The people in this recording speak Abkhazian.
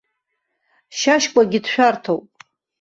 Шьашькәагьы дшәарҭоуп.